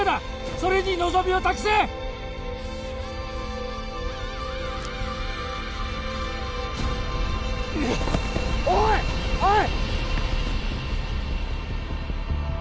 それに望みを託せうっおいおい！